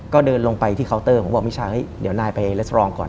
ก็เดินลงไปที่เคาน์เตอร์ผมบอกมิชาเฮ้ยเดี๋ยวนายไปเลสตรองก่อน